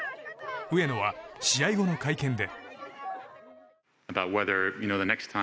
上野は、試合後の会見で。